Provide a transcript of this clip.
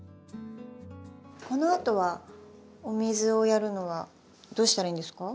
このあとはお水をやるのはどうしたらいいんですか？